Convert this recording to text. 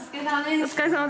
お疲れさまです。